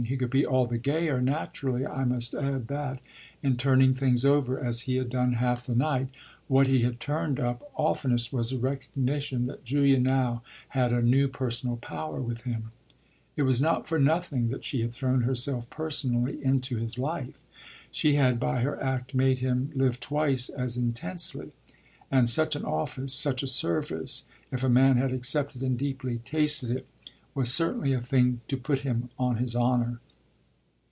He could be all the gayer, naturally, I must add, that, in turning things over as he had done half the night, what he had turned up oftenest was the recognition that Julia now had a new personal power with him. It was not for nothing that she had thrown herself personally into his life. She had by her act made him live twice as intensely, and such an office, such a service, if a man had accepted and deeply tasted it, was certainly a thing to put him on his honour.